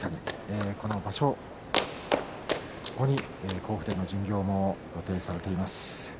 この場所後に甲府での巡業も予定されています。